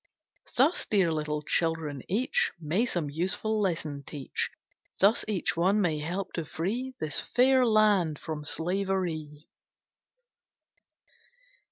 Thus, dear little children, each May some useful lesson teach; Thus each one may help to free This fair land from slavery.